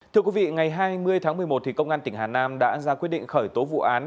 thưa quý vị ngày hai mươi tháng một mươi một công an tỉnh hà nam đã ra quyết định khởi tố vụ án